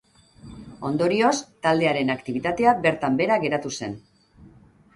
Ondorioz, taldearen aktibitatea bertan behera geratu zen.